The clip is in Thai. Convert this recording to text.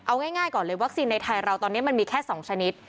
เอาง่ายก่อนเลยวัคซีนในไทยเราตอนนี้มันมีแค่๒ชนิด